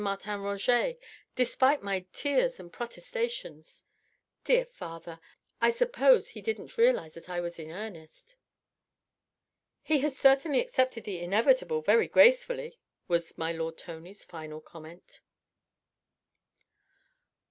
Martin Roget despite my tears and protestations. Dear father! I suppose he didn't realise that I was in earnest." "He has certainly accepted the inevitable very gracefully," was my lord Tony's final comment.